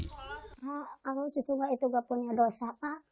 kalau cucu itu nggak punya dosa pak